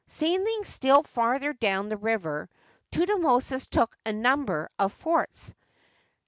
Sailing still farther down the river, Thutmosis took a number of forts.